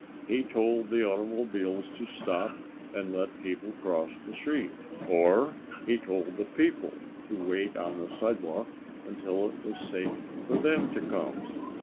He told the automobiles to stop and let people cross the street, or he told the people to wait on the sidewalk until it was safe for them to come.